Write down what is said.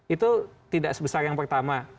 itu tidak sebesar yang pertama